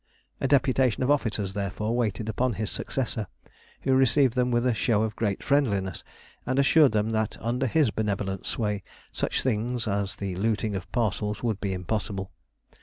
A deputation of officers, therefore, waited upon his successor, who received them with a show of great friendliness, and assured them that under his benevolent sway such things as the looting of parcels would be impossible.